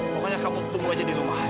pokoknya kamu tunggu aja di rumah